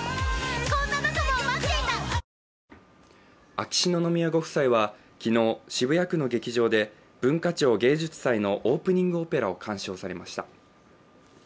秋篠宮ご夫妻は昨日、渋谷区の劇場で文化庁芸術祭のオープニングオペラを鑑賞されました。